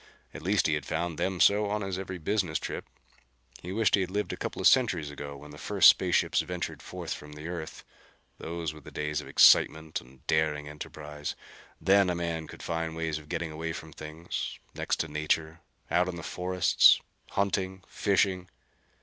At least he had found them so on his every business trip. He wished he had lived a couple of centuries ago, when the first space ships ventured forth from the earth. Those were days of excitement and daring enterprise. Then a man could find ways of getting away from things next to nature out into the forests; hunting; fishing.